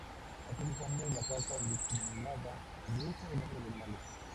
Hace unos años, la caza indiscriminada redujo el número de animales.